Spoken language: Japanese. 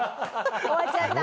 終わっちゃった。